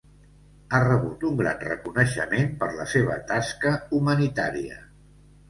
Ha rebut un gran reconeixement per la seva tasca humanitària.